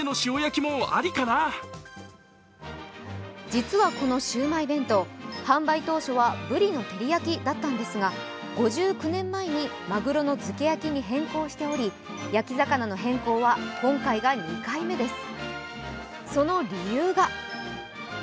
実は、このシウマイ弁当、販売当初はブリの照り焼だったんですが、５９年前に鮪の漬け焼に変更しており、焼き魚の変更は今回が２回目です。